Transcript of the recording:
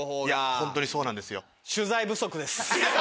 ホントにそうなんですよ。